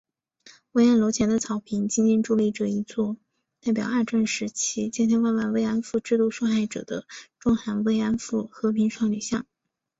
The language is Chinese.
文苑楼前的草坪上静静矗立着一座代表二战时期千千万万“慰安妇”制度受害者的中韩“慰安妇”和平少女像